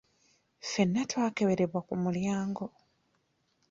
Ffena twakeberebwa ku mulyango.